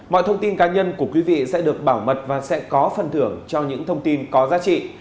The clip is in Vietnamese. mọi thông tin cá nhân của quý vị sẽ được bảo mật và sẽ có phần thưởng cho những thông tin có giá trị